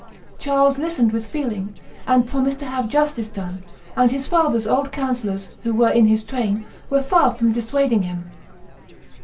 Charles listened with feeling, and promised to have justice done, and his father's old councillors, who were in his train, were far from dissuading him.